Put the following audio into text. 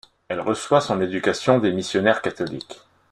Elle reçoit son éducation des missionnaires catholiques.